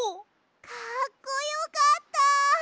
かっこよかった！